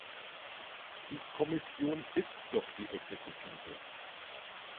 Die Kommission ist doch die Exekutive.